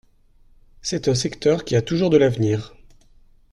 C’est un secteur qui a toujours de l’avenir.